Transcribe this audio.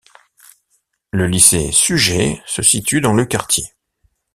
Le Lycée Suger se situe dans le quartier.